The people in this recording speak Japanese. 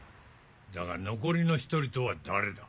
だが残りの１人とは誰だ？